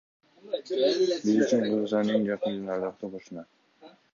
Биз үчүн Кыргызстан эң жакын жана ардактуу кошуна.